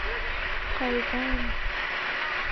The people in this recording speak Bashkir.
Ҡайҙа-а-ан...